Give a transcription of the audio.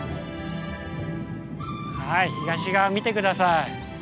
はい東側見て下さい。